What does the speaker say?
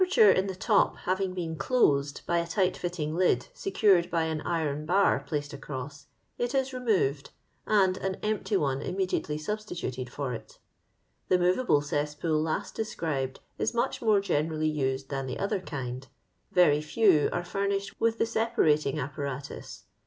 443 npertnre in the top having hecn closed by a tight iitting lid secured by an iron bar placed across, it is remored, and an empty one im mediately substituted for it. ^* The inoTable cesspool last described is much more generally used than the other kind; very few are furnished with the separating ap paratus.